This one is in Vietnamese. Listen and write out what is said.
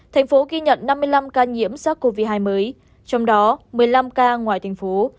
thành phố ghi nhận năm mươi năm ca nhiễm sars cov hai mới trong đó một mươi năm ca ngoài thành phố